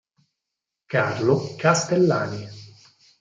Carlo Castellani